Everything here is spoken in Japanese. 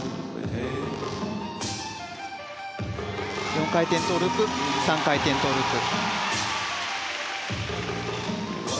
４回転トウループ３回転トウループ。